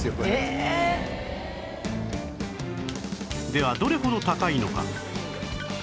ではどれほど高いのか